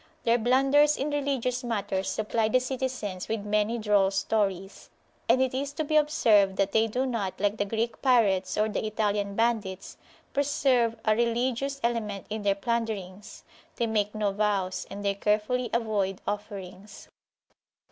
Their blunders in religious matters supply the citizens with many droll stories. And it is to be observed that they do not, like the Greek pirates or the Italian bandits, preserve a religious element in their plunderings; they make no vows, and they carefully avoid offerings.